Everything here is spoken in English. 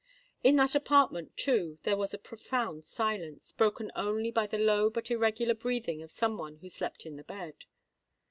In that apartment, too, there was a profound silence—broken only by the low but irregular breathing of some one who slept in the bed.